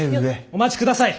お待ちください。